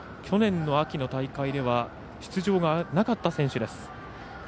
去年の秋の大会では出場がなかった選手です。